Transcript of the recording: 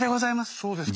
そうですか。